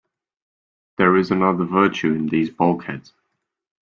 There is another virtue in these bulkheads.